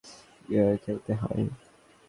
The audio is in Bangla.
কিভাবে খেলতে হয়!